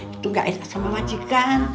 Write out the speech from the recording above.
itu nggak enak sama majikan